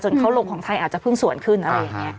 เขาลงของไทยอาจจะเพิ่งสวนขึ้นอะไรอย่างนี้